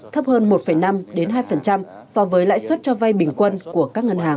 thấp hơn một năm hai so với lãi suất cho vay bình quân của các ngân hàng